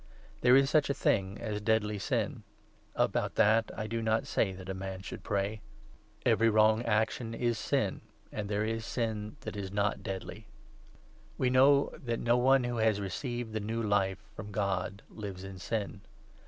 There is such a thing as deadly sin ; about that I do not say that a man should pray. I. JOHN, 5. 483 Every wrong action is sin, and there is sin that is not 17 deadly. We know that no one who has received the new Life from 18 God lives in sin.